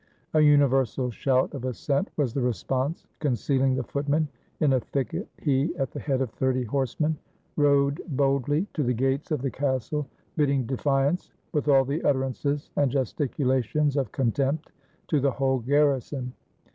" A universal shout of assent was the response. Con cealing the footmen in a thicket, he, at the head of thirty horsemen, rode boldly to the gates of the castle, bidding defiance, with all the utterances and gesticulations of contempt, to the whole garrison.